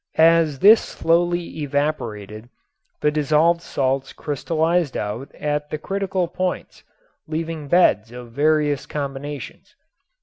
As this slowly evaporated the dissolved salts crystallized out at the critical points, leaving beds of various combinations.